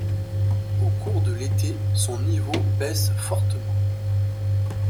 Au cours de l'été, son niveau baisse fortement.